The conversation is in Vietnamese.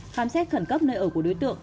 khám xét khẩn cấp nơi ở của đối tượng